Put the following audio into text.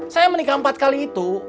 saya menikah empat kali itu